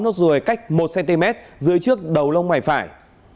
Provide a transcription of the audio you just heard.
nó rùi cách một cm dưới trước đầu lông ngoài phải